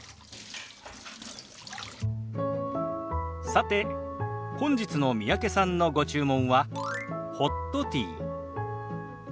さて本日の三宅さんのご注文はホットティー。